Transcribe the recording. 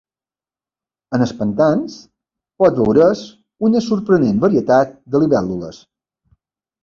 En els pantans pot veure's una sorprenent varietat de libèl·lules.